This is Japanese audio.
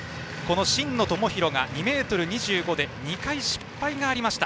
真野友博が２ｍ２５で２回、失敗がありました。